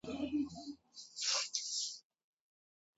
تاریخ د خپل کرښې نه تیریږي.